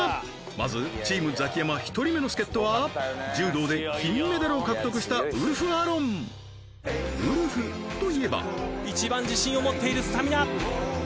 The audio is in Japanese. まずチームザキヤマ１人目の助っ人は柔道で金メダルを獲得したウルフアロンウルフといえば一番自信を持っているスタミナ！